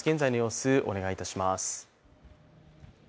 現在の様子、お願いいたします。